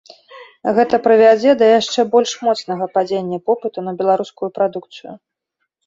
Гэта прывядзе да яшчэ больш моцнага падзення попыту на беларускую прадукцыю.